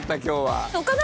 今日は。